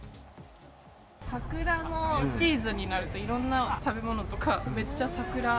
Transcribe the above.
桜のシーズンになると、いろんな食べ物とか、めっちゃ桜。